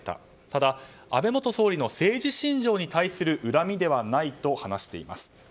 ただ、安倍元総理の政治信条に対する恨みではないと話しています。